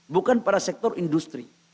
bukan pada sektor industri